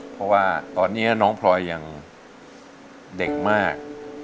เพราะว่าตอนนี้น้องพลอยยังเด็กมาก